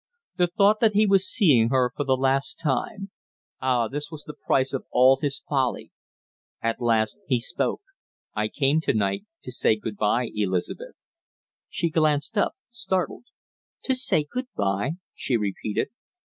The thought that he was seeing her for the last time Ah, this was the price of all his folly! At length he spoke. "I came to night to say good by, Elizabeth!" She glanced up, startled. "To say good by?" she repeated.